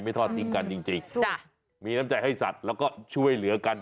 ทอดทิ้งกันจริงจ้ะมีน้ำใจให้สัตว์แล้วก็ช่วยเหลือกัน